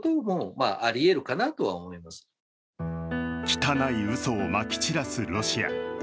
汚いうそをまき散らすロシア。